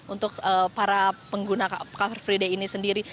untuk para pengguna car free day ini sendiri